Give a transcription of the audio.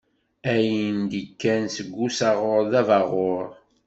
Ayen d-ikkan seg usaɣuṛ d abaɣuṛ.